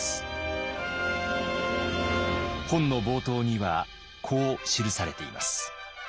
本の冒頭にはこう記されています。